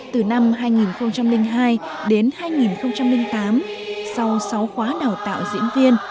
từ năm hai nghìn hai đến hai nghìn tám sau sáu khóa đào tạo diễn viên